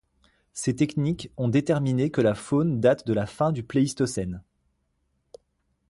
Ces techniques ont déterminé que la faune date de la fin du Pléistocène.